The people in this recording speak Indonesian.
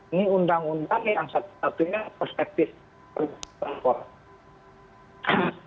ini undang undang yang satu satunya perspektif